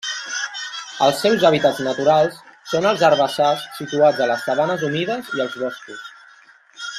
Els seus hàbitats naturals són els herbassars situats a les sabanes humides i els boscos.